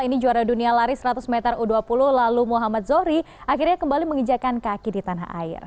ini juara dunia lari seratus meter u dua puluh lalu muhammad zohri akhirnya kembali mengejakan kaki di tanah air